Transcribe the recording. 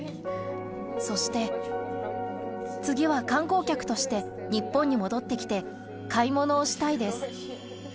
そして、次は観光客として日本に戻ってきて、買い物をしたいです。